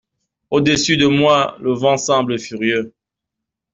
Au-dessus de moi, le vent semble furieux.